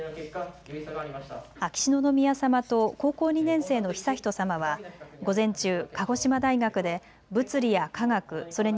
秋篠宮さまと高校２年生の悠仁さまは午前中、鹿児島大学で物理や化学、それに